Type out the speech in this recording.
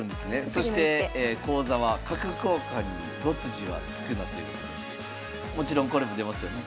そして講座は「角交換に５筋は突くな」ということでもちろんこれも出ますよね。